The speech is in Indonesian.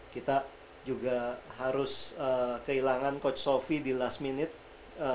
kita juga harus kehilangan coach softy di last minute